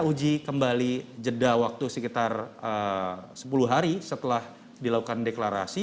uji kembali jeda waktu sekitar sepuluh hari setelah dilakukan deklarasi